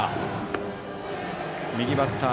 右バッター。